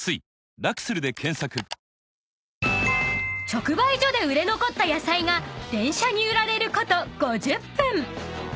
［直売所で売れ残った野菜が電車に揺られること５０分］